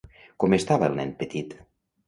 Com estava el nen petit?